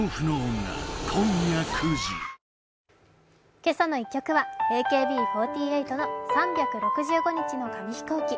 「けさの１曲」はＡＫＢ４８の「３６５日の紙飛行機」。